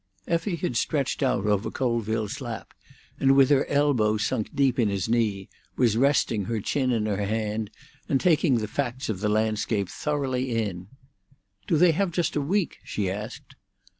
Effie had stretched out over Colville's lap, and with her elbow sunk deep in his knee, was renting her chin in her hand and taking the facts of the landscape thoroughly in. "Do they have just a week?" she asked.